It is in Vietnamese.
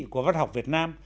của văn học việt nam